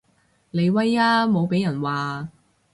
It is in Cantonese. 你威啊無被人話